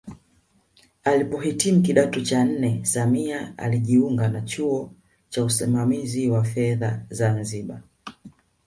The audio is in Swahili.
Alipohitimu kidato cha nne Samia alijiunga na chuo cha usimamizi wa fedha Zanzibari